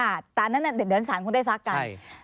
อ่ะอันนั้นเดินสามได้ซักกับ